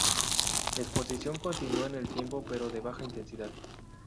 Exposición continua en el tiempo pero de baja intensidad.